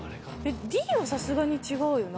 Ｄはさすがに違うよな。